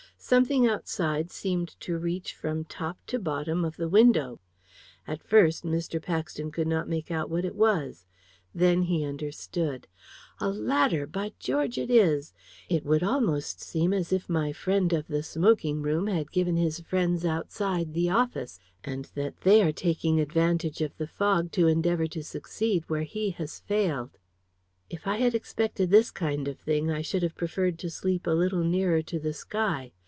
Something outside seemed to reach from top to bottom of the window. At first Mr. Paxton could not make out what it was. Then he understood. "A ladder by George, it is! It would almost seem as if my friend of the smoking room had given his friends outside the 'office,' and that they are taking advantage of the fog to endeavor to succeed where he has failed. If I had expected this kind of thing, I should have preferred to sleep a little nearer to the sky.